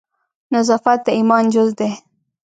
نظافت د ایمان جزء دی.